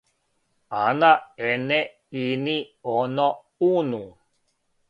ана ене ини оно уну